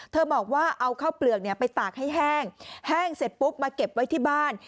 บอกว่าเอาข้าวเปลือกไปตากให้แห้งแห้งเสร็จปุ๊บมาเก็บไว้ที่บ้าน